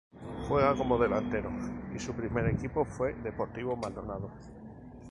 Juega como delantero y su primer equipo fue Deportivo Maldonado.